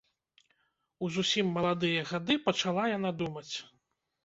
У зусім маладыя гады пачала яна думаць.